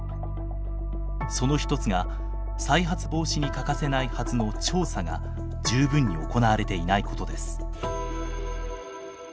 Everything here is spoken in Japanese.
その一つが再発防止に欠かせないはずの調査が十分に行われていないことです。